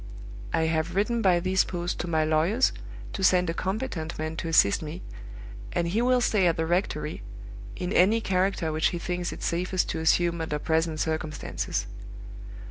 I have written by this post to my lawyers to send a competent man to assist me, and he will stay at the rectory, in any character which he thinks it safest to assume under present circumstances.